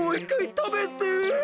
たべて！